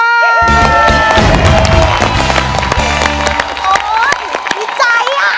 โอ๊ยดีใจอะ